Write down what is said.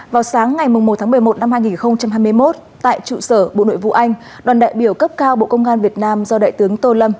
vào sáng ngày một một mươi một năm hai nghìn hai mươi một tại trụ sở bộ nội vụ anh đoàn đại biểu cấp cao bộ công an việt nam do đại tướng tô lâm